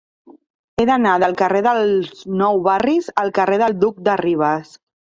He d'anar del carrer dels Nou Barris al carrer del Duc de Rivas.